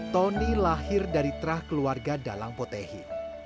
tony lahir dari terah keluarga dalang potehi